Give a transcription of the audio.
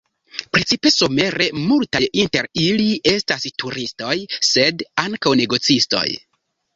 Precipe somere multaj inter ili estas turistoj, sed ankaŭ negocistoj.